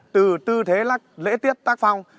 từ tư thế lắc lễ tiết tác phong